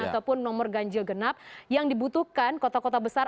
ataupun nomor ganjil genap yang dibutuhkan kota kota besar